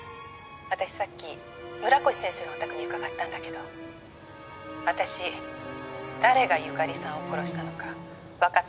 私さっき村越先生のお宅に伺ったんだけど私誰が由佳里さんを殺したのかわかった誰？」